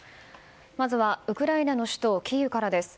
まずはウクライナの首都キーウからです。